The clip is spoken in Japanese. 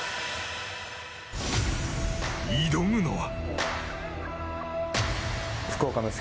挑むのは。